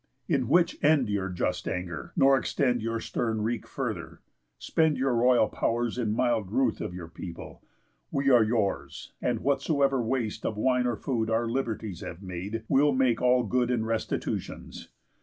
In which end your just anger, nor extend Your stern wreak further; spend your royal pow'rs In mild ruth of your people; we are yours; And whatsoever waste of wine or food Our liberties have made, we'll make all good In restitutions.